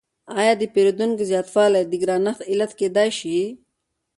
آیا د پیرودونکو زیاتوالی د ګرانښت علت کیدای شي؟